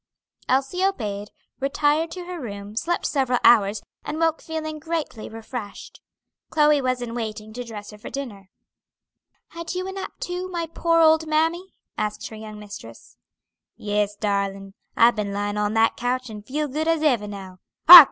Elsie obeyed, retired to her room, slept several hours, and woke feeling greatly refreshed. Chloe was in waiting to dress her for dinner. "Had you a nap too, my poor old mammy?" asked her young mistress. "Yes, darlin'. I've been lying on that coach, and feel good as ever now. Hark!